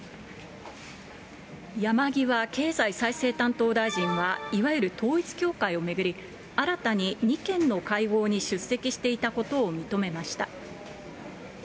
山際経済再生担当大臣は、いわゆる統一教会を巡り、新たに２件の会合に出席していたことを認めました。